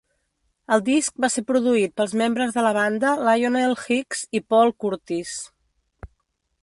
El disc va ser produït pels membres de la banda Lionel Hicks i Paul Curtis.